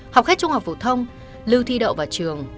học hết trung học phổ thông lưu thi đậu vào trường